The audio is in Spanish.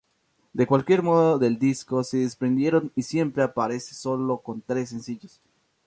De cualquier modo del disco se desprendieron y siempre aparece sólo con tres sencillos.